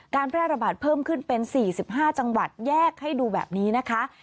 แพร่ระบาดเพิ่มขึ้นเป็น๔๕จังหวัดแยกให้ดูแบบนี้นะคะ